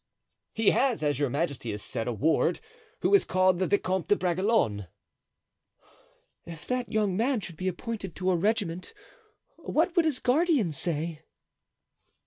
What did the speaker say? "He has, as your majesty has said, a ward, who is called the Vicomte de Bragelonne." "If that young man should be appointed to a regiment what would his guardian say?"